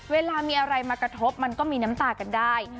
เวลามีอะไรมากระทบมันก็มีน้ำตากันได้